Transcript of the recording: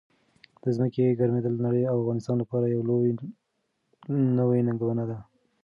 د ځمکې ګرمېدل د نړۍ او افغانستان لپاره یو لوی نوي ننګونه ده.